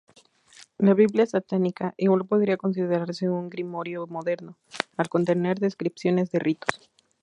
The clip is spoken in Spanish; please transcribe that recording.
La "biblia satánica" igual podría considerarse un grimorio moderno, al contener descripciones de ritos.